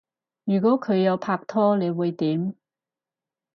如果佢有拍拖你會點？